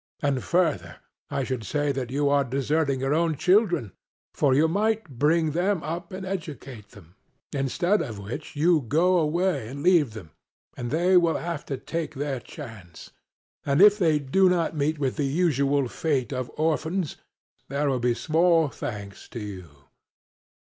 And further I should say that you are deserting your own children; for you might bring them up and educate them; instead of which you go away and leave them, and they will have to take their chance; and if they do not meet with the usual fate of orphans, there will be small thanks to you.